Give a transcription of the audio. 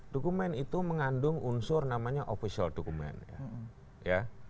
dokumen itu mengandung unsur namanya official document